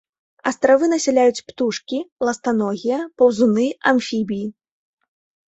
Астравы насяляюць птушкі, ластаногія, паўзуны, амфібіі.